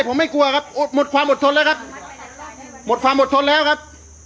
ผมไม่กลัวครับอดหมดความอดทนแล้วครับหมดความอดทนแล้วครับ